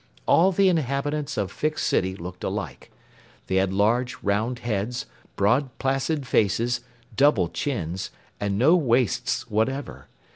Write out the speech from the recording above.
All the inhabitants of Fix City looked alike. They had large, round heads, broad placid faces, double chins, and no waists whatever.